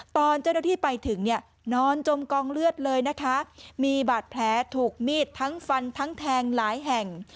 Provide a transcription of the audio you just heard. ตอนเจ้าหน้าที่ไปถึงเนี่ยนอนจมกองเลือดเลยนะคะมีบาดแผลถูกมีดทั้งฟันทั้งแทงหลายแห่ง